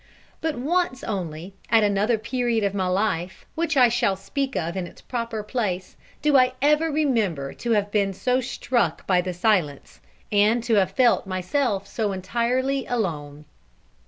But once only, at another period of my life, which I shall speak of in its proper place, do I ever remember to have been so struck by the silence, and to have felt myself so entirely alone.